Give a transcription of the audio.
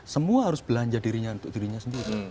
semua harus belanja dirinya untuk dirinya sendiri